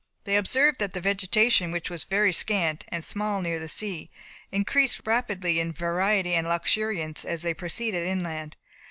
They observed that the vegetation which was very scant and small near the sea, increased rapidly in variety and luxuriance as they proceeded inland.